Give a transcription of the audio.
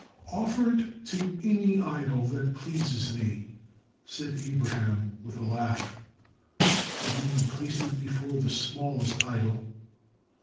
"Offer it to any idol that pleases thee," said Abraham, with a laugh. The woman placed it before the smallest idol.